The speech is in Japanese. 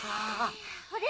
あれ？